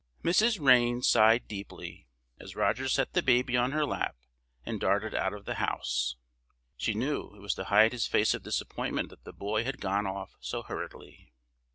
Mrs. Rayne sighed deeply, as Roger set the baby on her lap and darted out of the house. She knew it was to hide his face of disappointment that the boy had gone off so hurriedly.